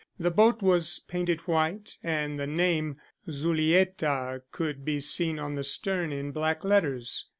The boat was painted white, and the name Zulietta could be seen on the stern in black letters.